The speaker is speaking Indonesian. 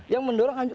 yang mendorong anju